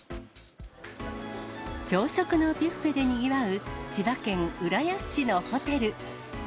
朝食のビュッフェでにぎわう、千葉県浦安市のホテル。